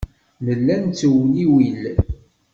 Nella nettewliwil.